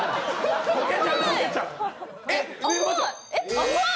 甘い！